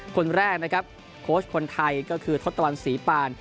คนแรกนะครับโค้ชคนไทยก็คือทศตวรรษีปาน